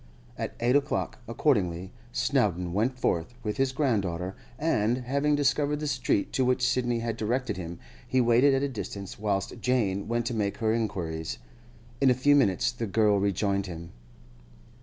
At eight o'clock, accordingly, Snowdon went forth with his granddaughter, and, having discovered the street to which Sidney had directed him, he waited at a distance whilst Jane went to make her inquiries. In a few minutes the girl rejoined him.